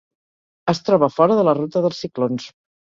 Es troba fora de la ruta dels ciclons.